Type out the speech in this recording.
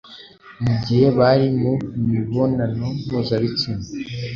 mu gihe bari mu mibonano mpuzabitsina